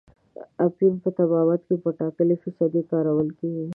اپین په طبابت کې په ټاکلې فیصدۍ کارول کیږي.